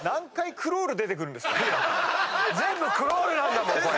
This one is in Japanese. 全部クロールなんだもんこれ。